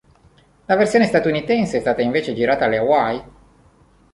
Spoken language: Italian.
La versione statunitense è stata invece girata alle Hawaii.